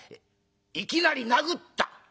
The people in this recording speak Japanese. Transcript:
いきなり殴った？